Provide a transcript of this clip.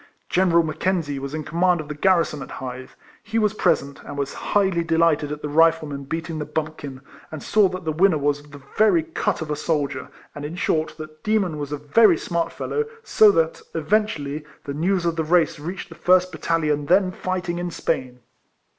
General Mackenzie was in com mand of the garrison at Hythe. He was present, and was highly delighted at the Rifleman beating the bumpkin, and saw that the winner Avas the very cut of a soldier, and in short that Demon was a very smart fellow, so that, eventually, the news of the race reached the first battalion then fighting in Spain.